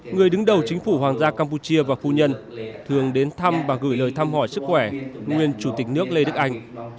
người đứng đầu chính phủ hoàng gia campuchia và phu nhân thường đến thăm và gửi lời thăm hỏi sức khỏe nguyên chủ tịch nước lê đức anh